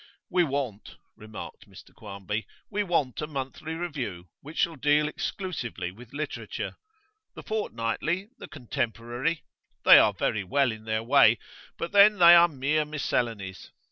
'We want,' remarked Mr Quarmby, 'we want a monthly review which shall deal exclusively with literature. The Fortnightly, the Contemporary they are very well in their way, but then they are mere miscellanies.